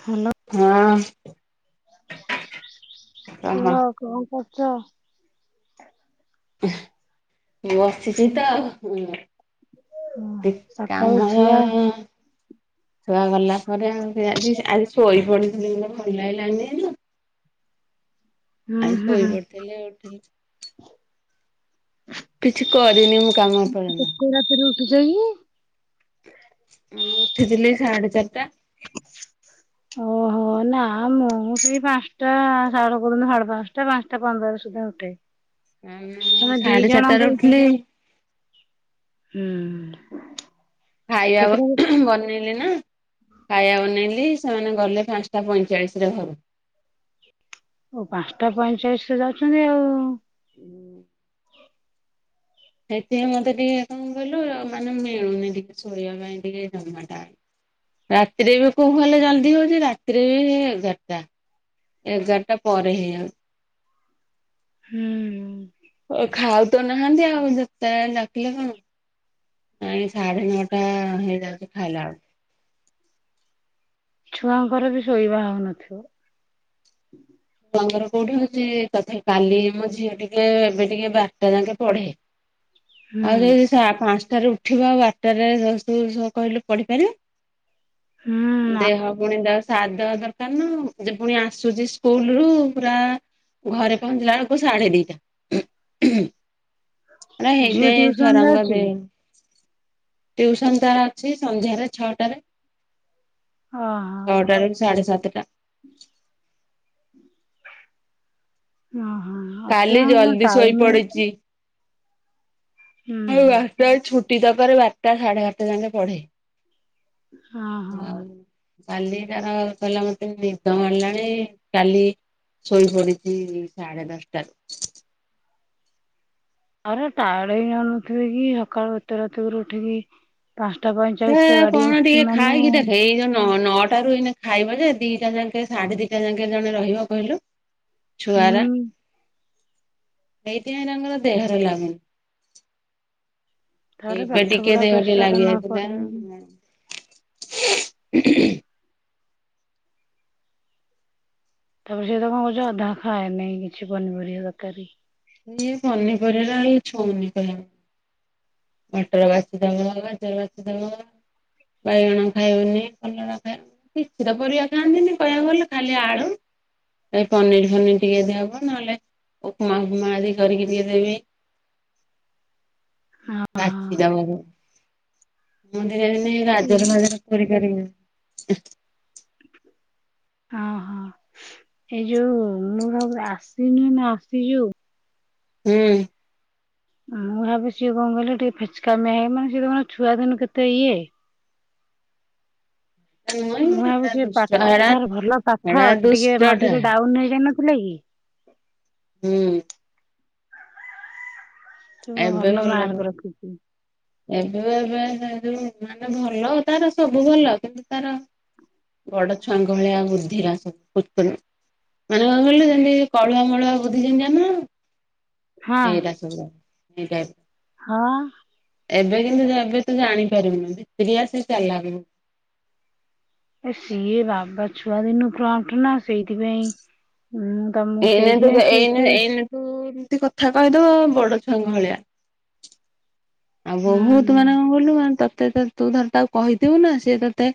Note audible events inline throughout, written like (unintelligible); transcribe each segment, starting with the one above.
Hello, ହଁ କହ କୁହ କଣ କ ଚ ଏଇ ବସିଛି ତ ଓହୋ ଦେ, ସକାଳୁ କାମ ଛୁଆ ଛୁଆ ଗଲା ପରେ ଆଉଜି ଆଜି ଶୋଇ ପଡିଥିଲି ଭଲ ଲାଗିଲାଣି। ହୁଁ ଆଜି ହୁଁ ଶୋଇ ପଡଥିଳୀ, ଉଠିଲି କିଛି କରିନି ମୁଁ କାମ ଏପର୍ଯ୍ୟନ୍ତ। (unintelligible) ଯାଇ ମୁଁ ଉଠିଥିଲି ସାଢେ ଚାରିଟା। ଓହୋ। ହ ନା ମୁଁ ସେଇ ପାଞ୍ଚଟା ସାଡ କରନ୍ତୁ ସାଢେ ପାଞ୍ଚଟା ପାଞ୍ଚଟା ପନ୍ଦର ସୁଦ୍ଧା ଉଠେ। ଉଁ, ମୁ ତମେ ଦି ସାଢେ ଜଣଙ୍କୁ ଚାରିଟାରେ ଉଠିଲି। ହୁଁ। ଖାଇବା, କେତେଟା ବନେଇ ହେଲେ ନା ଖାଇବା ବନେଇଲି ସେମାନେ ଗଲେ ପାଞ୍ଚଟା ପଇଁଚାଳିଶ ରେ ଘରୁ। ଓ ପାଞ୍ଚଟା ପଇଁଚାଳିଶ ରେ ଯାଉଛନ୍ତି ଆଉ। ହୁଁ। ସେଥିପାଇଁ ମତେ ଟିକେ କଣ କହିଲୁ, ମାନେ ମିଳୁନି ଟିକେ ଶୋଇବା ପାଇଁ ଟିକେ ଜମାଟା। ରାତିରେ ବି କୋଉ ହେଲେ ଜଲଦି ହଉଛି, ରାତିରେ ବି ଏଗାରଟା। ଏଗାରଟା ପରେ ହେ ଆଉ ହୁଁ। ଓ ଖାଉ ତ ନାହାନ୍ତିି, ଆଉ ଯେତେଳେ ଡାକିଲେ କଣ। ନାଇଁ ସାଢେ ନଅଟା ହେଇଯାଉଛି ଖାଇଲା ବେଳୁ। ଛୁଆଙ୍କର ବି ଶୋଇବା ହଉନଥିବ। ଛୁଆଙ୍କର କୋଉଠି ହଉଛି, ତଥାପି କାଲି ମୋ ଝିଅ ଟିକେ ଏବେ ଟିକେ ବାରଟା ଯାଙ୍କେ ପଢେ। ହୁଁ। ଆଉ ଯଦି ପାଞ୍ଚଟାରେ ଉଠିବ ଆଉ ଆଠଟାରେ (inaudible) କହିଲୁ ପଢିପାରିବେ? ହୁଁ। ନା ଦେହ ପୁଣି ତା ସାଦ୍ ଦବା ଦରକାର ନା ଯେ ପୁଣି ଆସୁଛି ସ୍କୁଲୁ ରୁ ପୁରା। ଘରେ ପହଞ୍ଚିଲା ବେଳକୁ ସାଢେ ଦିଟା। ଆଲା ଝିଅ ହେଇତ ଟିଉସନ ସରଙ୍ଗା ଯାଉଛି ବେ (inaudible) ଟିଉସନ୍ ତାର ଅଛି ସନ୍ଧ୍ୟାରେ ଛଅଟାରେ। ଓହୋ। ଛଅଟା ରୁ ସାଢେ ସାତଟା। ହଁ ହଁ। କାଲି ଜଲ୍ଦି ଶୋଇ ପଡିଛି। ହୁଁ। (unintelligible) ଛୁଟି ଦବାରେ ବାରଟା ସାଢେ ବାରଟା ଯାଏ ପଢେ। ହଁ। ଆଉ କାଲି ତାର କହିଲା ମତେ ନିଦ ମାଡିଲାଣି କାଲି। ଶୋଇପଡ଼ିଛି ସାଢେ ଦଶଟାରୁ। ଆର ଟାୟାର୍ଡ଼ ହେଇଯାଉନଥିବେ କି ସକାଳୁ ଏତେ ରାତିକିରୁ ଉଠିକି। ପାଞ୍ଚଟା ପ। ସେ କଣ ଟିକେ ଖାଇକି ଦେଖେ ଏଇତ ନଅ। ଖାଇବ ଯେ ଦିଟା ଯାଏ ସାଢେ ଦିଟା ଯାକେ ଜଣେ ରହିବ କହିଲୁ। ଛୁଆରା ହୁଁ ଏଇତି ପାଇଁ ତାଙ୍କର ଦେହରେ ଲାଗୁନି। ଥରେ ଏବେ ପାଠ ଟିକେ ପଢା ଦେହରେ ପ୍ରେସର ନ ପଡୁନି କି? ଲାଗିଯାଇଥିଲା। ତାପରେ ସେ ତ କଣ କହୁଛି ଅଧା ଖାଏ ନେହି କିଛି ପନିପରିବା ତରକାରୀ। ଇଏ ପନିପରିବା ହିଁ ଛୁଉନି କ। ମଟର ବାଛି ଦବ ଗାଜର ବାଛି ଦବ ବାଇଗଣ ଖାଇବନି କଲରା ଖାଇବନି। କିଛି ତ ପରିବା ଖାଆନ୍ତିନି କହିବାକୁ ଗଲେ ଖାଲି ଆଳୁ। ଏ ପନିର୍ ଫନିର୍ ଟିକେ ଯଦି ହବ ନହେଲେ ଉପମା ଫୁପମା ଆଦି କରିକି ଟିକେ ଦେବି। (inaudible) ମୁଁ ଦିନେ ଦିନେ ଗା (inaudible) ଜର ମଜରେ କରିପାରିବି ଓହୋ ଏଇ ଯୋଉ ମୁଁ ଭାବରେ ଆସିନୁ ନା ଆସି ଯୋଉ (inaudible) ହୁଁ। ମୁଁ ଭାବେ ସିଏ କଣ କହିଲ ଟିକେ ଫେଚକାମିଆ ହୁଏ ମାନେ ସିଏ ତ କଣ ଛୁଆଦିନୁ କେତେ ଇଏ। ନୁହେଁ ମୁଁ ହେରା ଭାବୁଛି ଦୁଷ୍ଟ ହେରା ପାଠ ଭଲ ପାଠ ହେରା ଟିକେ ଦୁଷ୍ଟଟା ମଝିରେ ଡାଉନ୍ ହେଇଯାଇନଥିଲେ କି। ହୁଁ। ତ ଭଲ ମାର୍କ ରଖୁଛି। ଏବେ ଏବେ ଯୋଉ ମାନେ ଭଲ ତାର ସବୁ ଭଲ କିନ୍ତୁ ତାର। ବଡ ଛୁଆଙ୍କ ଭଳିଆ ବୁଦ୍ଧିରା ସବୁ। ମାନେ କଣ କହିଲେ ଯେମିତି କଳୁଆ ମଳୁଆ ବୁଦ୍ଧି ଯେମିତି। ହଁ ଏଟ ସଟ (inaudible) ହଁ। ଏବେ କିନ୍ତୁ ଏବେ ତୁ ଜାଣିପାରିବୁନି ଭିତିରିଆ ସେ ଚାଲାକ୍। ଏ ସିଏ ବାବା ଛୁଆ ଦିନଠୁ ପ୍ରମଟ୍ ନା ସେଇଥିପାଇଁଁ। ଏଇନେ ତୁ ଏଇ ଏଇନେ ତୁ ଏମିତି କଥା କହିଦବ ବଡ ଛୁଆଙ୍କ ଭଳିଆ। ଆଉ ହୁଁ ବହୁତ ମାନେ କଣ କଲୁ ତତେ ତ ତୁ ଥରେ ତାକୁ କହିଥିବୁ ନା ସିଏ ତତେ।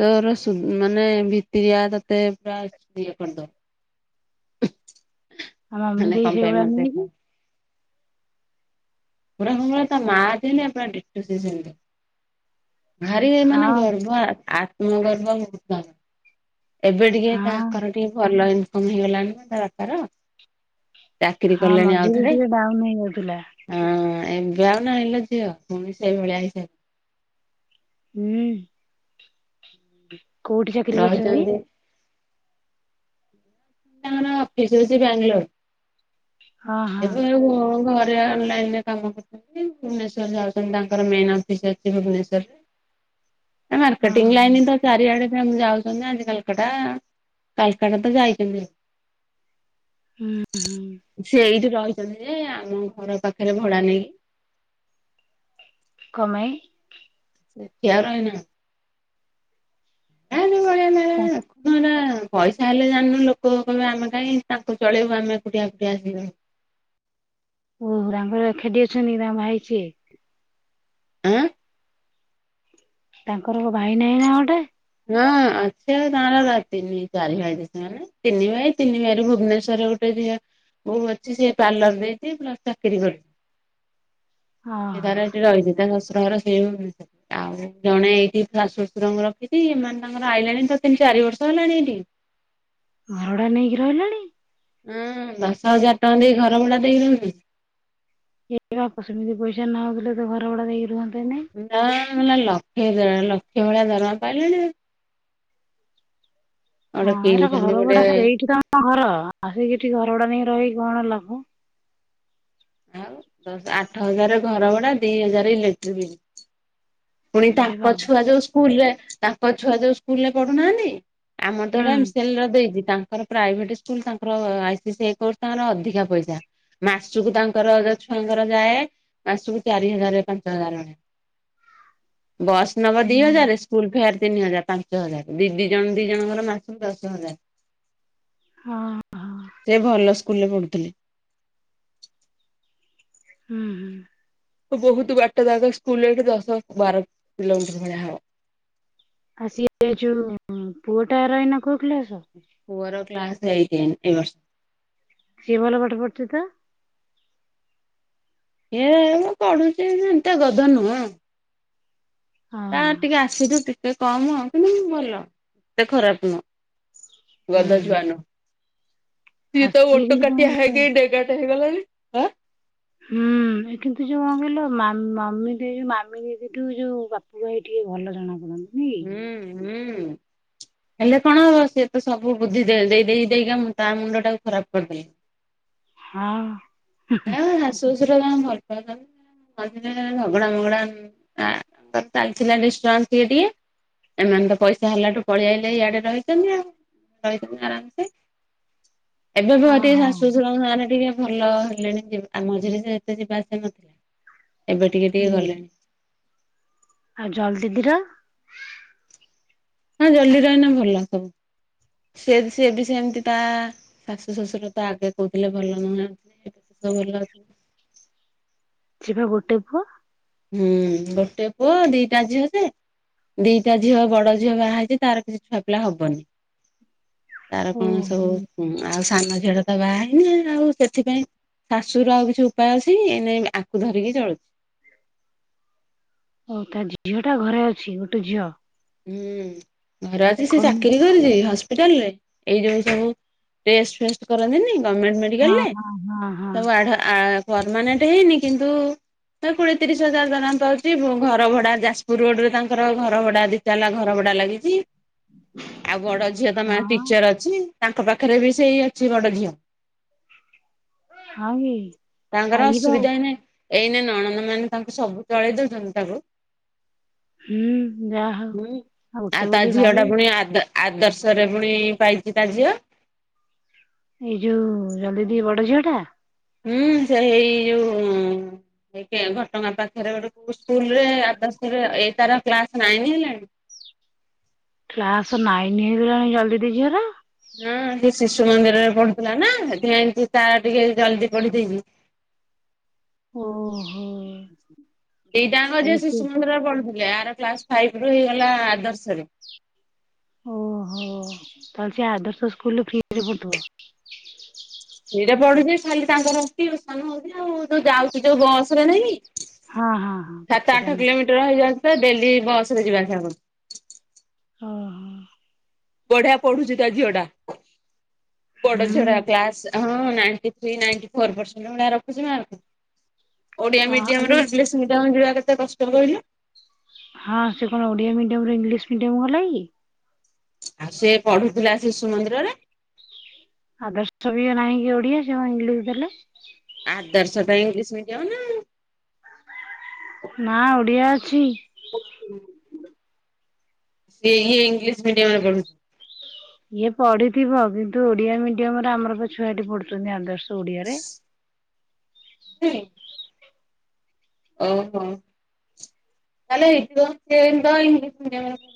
ତୋର ସୁ ମାନେ ଭିତିରିଆ ତତେ ପୁରା ଇଏ କରିଦବ। ଆମ ମାମୁନି ମାନେ ଦେଇ କଣ ପାଇଁ ସେଇଭଳିଆ ମତେ ନୁହଁକି। ପୁରା ପୁରା ସମରେ (inaudible) ତା (inaudible) ମା ଆପଣ ଟୁ ସ ଭାରି ଏ ମାନେ ହଁ ଗର୍ଭ ତ ଗର୍ବ ମୁର୍ତ୍ତ ଏବେ ଟିକେ ହଁ ତାଙ୍କର ଟିକେ ଭଲ ଇନିକମ୍ ହେଇଗଲାଣି ନା ତା ବାପର ହଁ ମଝିରେ ଟିକେ ଡାଉନ ହେଇଯାଇଥିଲା ହଁ ଏବେ ଆଉ ନାଇଲ ଝିଅ ପୁଣି ସେଇଭଳିଆ ହୋଇସାରି ହୁଁ କୋଉଠି ଚାକିରି କରିଛନ୍ତି ରହିଛନ୍ତି ତାଙ୍କର ପିଜି ହଉଛି ହଁ ହଁ ବାଙ୍ଗଲର୍ ଏବେ ଘରେ ଅନଲାଇନ ରେ କାମ କରୁଛନ୍ତି ଭୁବନେଶ୍ୱର ଯାଉଛନ୍ତି ତାଙ୍କର ମେନ୍ ଅଫିସ ଅଛି ଭୁବନେଶ୍ଵରରେ (inaudible) ଆ ହଁ ମାର୍କେଟିଂ ଲାଇନ ତ ଚାରି ଆଡେ ଆମ ଯାଉଛୁ ଆଜି କାଲକାଟା କାଲକାଟା ତ ଯାଇଛନ୍ତି ହୁଁ ହୁଁ ସେ ଏଇଠି ରହିଛନ୍ତି ଯେ ଆମ ଘର ପାଖରେ ଭଡା ନେଇକି କ ପାଇଁ କାର ନା କଆ ନା (unintelligible) ପଇସା ହେଲେ ଜାଣିନୁ ଲୋକ କହେ ଆମେ କାହିଁ ତାଙ୍କୁ ଚଳେଇବୁ ଆମେ ଏକୁଟିଆ ଏକୁଟିଆ ଆସିବୁ ଓ ରଙ୍ଗର ଖେଡି ଅଛନ୍ତି ତାଙ୍କ ଭାଇ କିଏ ଆଁ ତାଙ୍କର ଭାଇ ନାହିଁ ନା ଗୋଟେ ହଁ ଆଛ ତାର ରାତିନି ଚାରି ଭାଇ (inaudible) ସୋନେ ତିନି ଭାଇ ତିନି ଭାଇ ରୁ ଭୁବନେଶ୍ୱରରେ ଗୋଟେ ଯିବା ମୁ ଅଛି ସେି ପାର୍ଲର ଦେଇଛି ପ୍ଲସ୍ ଚାକିରି କରୁଛି ସେ ଓହୋ ତାର ସେଠି ରହିଛି ତାଙ୍କ ଶଶୁର ଘର ସେଇଷ ଆଉ ଜଣେ ଏଇଠି ଶାଶୁ ଶଶୁରଙ୍କୁ ରଖିଛି ଏମାନେ ତାଙ୍କର ଆଇିଲଣି ତ ତିନି ଚାରି ବର୍ଷ ହେଲାଣି ଏଇଠି ଭଡା ନେଇକି ରହିଲେଣି ହୁଁ ଦଶ ହଜାର ଟଙ୍କା ଦେଇ ଘର ଭଡା ଦେଇକି ରହୁଛନ୍ତି ଏପ ସେମିତି ପଇସା ନ ହିଲଲେ ତ ଘରବଦୋଗରୁନ୍ତେନେ (inaudible) ନା ହେଲା ଲକ୍ଷ ଦେଢ଼ ଲକ୍ଷେ ଭଳିଆ ଦରମା ପାଇଲେଣି ଆଉ ଗୋଟେ ହଁ ଏଇଟ କିଣିଛନ୍ତି ଘର ଗୋଟେ ଭୁଡା ସେଇଠି ତମ ଘର ଆସିକି ଏଠି ଘର ଭଡା ନେଇକି ରହିିକି କଣ ଲାଭ ଆଉ ଦଶ ଆଠ ହଜାର ଘର ଭଡା ଦି ହଜାର ଇଲେକ୍ଟ୍ରିି ବିଲ୍ ପୁଣି ଏ ତାଙ୍କ ବାବା ଛୁଆ ଯୋଉ ସ୍କୁଲ ରେ ତାଙ୍କ ଛୁଆ ଯୋଉ ସ୍କୁଲ ରେ ପଢୁନାହାନ୍ତି ଆମର ତ ହୁଁ ଏଇଟା ଏମ୍ ସିଏଲ୍ ର ଦେଇଛି ତାଙ୍କୁ ତାଙ୍କର ପ୍ରାଇଭେଟ ସ୍କୁଲ ତାଙ୍କର ଆଇସି ସ କର୍ସ ତାଙ୍କର ଅଧିକା ପଇସା ମାସକୁ ତାଙ୍କର ଯୋଉ ଛୁଆଙ୍କର ଯାଏ ମାସକୁ ଚାରି ହଜାର ପାଞ୍ଚ ହଜାର ଅେ ବସ୍ ନବା ଦି ହୁଁ ହଜାର ସ୍କୁଲ ଫେୟାର ତିନି ହଜାର ପାଞ୍ଚ ହଜାର ଦି ଦି ଜଣ ଦି ଜଣଙ୍କର ମାସ କୁ ଦଶ ହଜାର ହଁ ହଁ ସେ ଭଲ ସ୍କୁଲ ରେ ପଢ଼ୁଥିଲେ ହୁଁ ହୁଁ ବହୁତ ବାଟ ଜାଗା ସ୍କୁଲରେ ଏଠି ଦଶ ବାର କିଲୋମିଟର ଭଳିଆ ହବ ଆଉ ସିଏ ଯୋ ପୁଅ ଟା ର ଏଇନା କଉ କ୍ଲାସ୍ ପୁଅର କ୍ଲାସ ଏଇଟ୍ ଏଇ ବର୍ଷ ସିଏ ଭଲ ପାଠ ପଡୁଛି ତ ଏ ମୁଁ ପଢୁଛି ଏତେ ଗଧ ନୁହଁ ହଁ ତା ଟିକେ ଆସୁଛୁ ଟିକେ କମ୍ ହ କିନ୍ତୁ ଭଲ ଏତେ ଖରାପ ନୁହଁ ହୁଁ ଗଦା ହୁଁ ଯୁଆନ ଆଉ ସିଏ ତ ସିଏ ଓଟ କିନ୍ତୁ କଣ କାଟିଆ କହିଲ ହେ କେ ଡେଙ୍ଗାଟେ ହେଇଗଲାଣି ହୁଁ କିନ୍ତୁ ଯୋଉ କଣ କହିଲ ମା ମାମି ଦିଦିଠୁ ଯୋଉ ବାପା ପୁ ଭାଇ ଟିକେ ଭଲ ଜଣା ପଡୁନି ହୁଁ ହୁଁ ହେଲେ କଣ ହବ ସିଏ ତ ସବୁ ବୁଧି ଦେଇ ଦେଇ ଦେଇକା ତା ମୁଣ୍ଡ ଟାକୁ ଖରାପ କରିଦେଲେ ହଁ ହଁ ଶାଶୁ ଶଶୁର ଜଣେ ଭଲ ପାଉଚନ୍ତି ମଝିରେ ଝଗଡା ମଗଡା ଚାଲିଥିଲା ଡ଼ିଷ୍ଟବାନ୍ସ ଟିକେ ଏମାନେ ତ ପଇସା ହେଲାଠୁ ପଳେଇଆଇଲେ ଇଆଡେ ରହିଛନ୍ତି ଆଉ ରହିଛନ୍ତି ଆରାମସେ (inaudible) ଏବେ ବି ଦେହ ହଁ ଟିକେ ହଁ ଶାଶୁ ଶଶୁର ମାନେ ଟିକେ ଭଲ ଆ ମଝିରେ ସେ ଏତେ ଯିବା ଆସିବା ନଥିଲା ଏବେ ଟିକେ ଟିକେ ହୁଁ ଗଲେଣି ଆଉ ଜଲ ଦିଦିର ହଁ ଜଲଦି ରହିନା ଭଲ ସବୁ ସେ ସିଏ ବି ସେମିତି ତା ଶାଶୁ ଶ୍ୱଶୁର ତ ଆଗେ କହୁଥିଲେ ଭଲ ନୁହଁ ଭଲ (unintelligible) ସିଏ ବା ଗୋଟେ ପୁଅ ହୁଁ ଗୋଟେ ପୁଅ ଦିଟା ଝିଅ ସେ ଦିଟା ଝିଅ ବଡ ଝିଅ ବାହା ହେଇଛି ତାର କିଛି ଛୁଆ ପିଲା ହବନି ତାର କଣ ଓହୋ ସବୁ ଆଉ ସାନ ଝିଅ ଟା ତ ବାହା ହେଇନି ଆଉ ସେଥିପାଇଁ ଶାଶୁ ର ଆଉ କିଛି ଉପାୟ ଅଛି ଏଇନେ ଆକୁ ଧରିକି ଚଳୁଛି ହଉ ତା ଝିଅ ଟା ଘରେ ଅଛି ଗୋଟେ ଝିଅ ହୁଁ ଘର ଅଛି ସେ ଚାକିରି (unintelligible) ହସ୍ପିଟାଲ ରେ ଏଇ ଯୋଉ ସବୁ ଟେଷ୍ଟ ଫେଷ୍ଟ କରନ୍ତିନି ଗମେଣ୍ଟ ମେଡିକାଲରେ ସବୁ ଆଡ୍ ଆ ପର୍ମାନେଣ୍ଟ ହେଇନି କିନ୍ତୁ ହ କୋଡିଏ ତିରିଶ ହଜାର ଦରମା ପାଉଚି, ଘର ଭଡା ଯାଜପୁର ରୋଡ ରେ ତାଙ୍କର ଘର ଭଡା ଦି ତାଲା ଘର ଭଡା ଲାଗିଛି ଆଉ ବଡ ଝିଅ ତ ମା ଟିଚର ଅ ଅ ତାଙ୍କ ପାଖରେ ବି ସେଇ ଅଛି ବଡ ଝିଅ କି ତାଙ୍କର ଆଇବ ଆଉ ଅସୁବିଧା ହେଇନି ଏଇନେ ନଣନ୍ଦ ମାନେ ତାଙ୍କୁ ସବୁ ଚଳେଇ ଦଉଛନ୍ତି ତାକୁ ହୁଁ ଯାହା ହଉ ହୁଁ ଆଉ ଗୋଟେ ତା ବୋଲି ଝିଅ ଭାଇ ଟା ପୁଣି ଆଦ ଆଦର୍ଶରେ ପୁଣି ପାଇଛି ତା ଝିଅ ଏଇ ଯୋଉ ଜଲ୍ ଦି ବଡ ଝିଅ ଟା ହୁଁ ସେ ଏଇ ଯୋଉ ଘଟ ଗାଁ ପାଖରେ ଗୋଟ ସ୍କୁଲରେ ଆଦର୍ଶରେ ଏଇ ତାର କ୍ଲାସ ନାଇନ୍ ହେଲାଣି କ୍ଲାସ ନାଇନ୍ ହେଲାଣି ଜଲ୍ ଦିଦି ଝିଅର? ହୁଁ ସେ ଶିଶୁ ମନ୍ଦିରରେ ପଡୁଥିଲା ନା ସେଥି ଲାଗି ତାର ଟିକେ ଜଲଦି ପଢ଼ି ଦେଇଛି। (inaudible) ଓହୋ ଦିଟାଙ୍କ ଝିଅ ତାହେଲେ ସେ ଶିଶୁ ମନ୍ଦିରରେ ପଢୁଥିଲେ ଆର କ୍ଲାସ୍ ଫାଇବ ରୁ ହେଇଗଲା ଆଦର୍ଶ ରେ। ଓହୋ ତାହେଲେ ସେ ଆଦର୍ଶ ସ୍କୁଲରେ ଫି ରେ ପଢୁଥିବ ଫ୍ରିରେ ପଡୁଛି ଖାଲି ତାଙ୍କର ଟିଉସନ ହଉଛି ଆଉ ଯୋଉ ଯାଉଛି ଯୋଉ ବସ ରେ ନାଇଁ ହଁ ହଁ ହଁ ସାତ ଆଠ ପଢୁଛନ୍ତି କିଲୋମିଟର ହେଇଯାଉଛି ତ ଡେଲି ବସ୍ ରେ ଯିବା ଆସିବା କରୁଛି ଅ ହ। ବଢିଆ ପଢୁଛି ତା ଝିଅଡା ବଡ ହୁଁ ଝିଅଟା କ୍ଲାସ ହଁ ninety three ninety four percent ଭଳିଆ ରଖୁଚି ମାର୍କ। ଓଡିଆ ହଁ ମିଡିୟମ ଆରେ ରୁ ଇଂଲିଶ୍ ମିଡିୟମ ଯିବା କେତେ କଷ୍ଟ କହିଲୁ। ହଁ ସେ କଣ ଓଡିଆ ମିଡିୟମ ରୁ ଇଂଲିଶ ମିଡିୟମ ଗଲା କି? ଆଉ ସେ ପଢୁଥିଲା ଶିଶୁ ମନ୍ଦିରରେ। ଆଦର୍ଶ ବି ଇଏ ନାହିଁ କି ଓଡିଆ ସେ କଣ ଇଂଲିଶ ଦେଲେ। ଆଦର୍ଶ ତ ଇଂଲିଶ ମିଡିୟମ। ଆଉ। ନା ଓଡିଆ ଅଛି। ସେ ଇ ଇଂଲିଶ ମିଡିୟମରେ ପଢୁ ଇଏ ପଢିଥିବ କିନ୍ତୁ ଓଡିଆ ମିଡିୟମ ରେ ଆମର ବା ଛୁଆ ଏଠି ପଢୁଛନ୍ତି ଆଦର୍ଶ ଓଡିଆରେ। (unintelligible) ଓ ହୋ। ତାହେଲେ ହେଇଥିବ (unintelligible) ଇଂଲିଶ ମିଡିୟମରେ ପ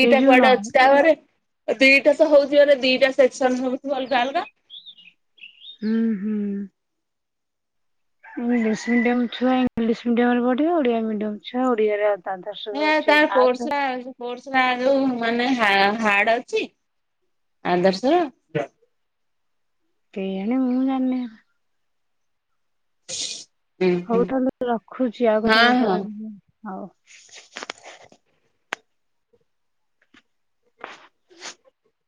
ସେ ଯୋଉ ନ କୁଆଡେ ଅଛି ତାପରେ ଦିଟା ସହ ହଉଥିବରେ ଦିଟା ସେକ୍ସନ ହଉଥିବ ଅଲଗା ଅଲଗା। ହୁଁ ହୁଁ। ଇଂଲିଶ ମିଡିୟମ ଛୁଆ ଇଂଲିଶ ମିଡିୟମ ରେ ପଢିବ ଓଡିଆ ମିଡିୟମ ଛୁଆ ଓଡିଆରେ ଆ ହେ ତାର କୋର୍ସ ରା କୋର୍ସରା ଯୋଉ ମାନେ ହା ହାର୍ଡ ଅଛି ଆଦର୍ଶ ର। କେ ଜାଣି ମୁ ଜାଣିନି। ହୁଁ ହୁଁ ହଉ ତାହେଲେ ରଖୁଛି ଆଉ ହଁ କେତେବେଳେ ହଁ। କରି ହଉ।